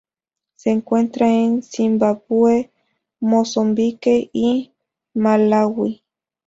Se encuentra en Zimbabue, Mozambique y Malaui.